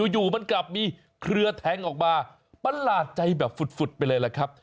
อยู่มันกลับมีเครือแทงออกมาประหลาดใจแบบฝุดไปเลยล่ะครับ